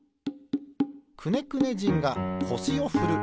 くねくね人がこしをふる。